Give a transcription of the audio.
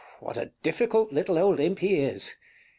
What a difficult little old imp he is!